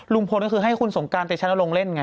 ลุงพลคือให้คุณสงการเตะชันแล้วลงเล่นไง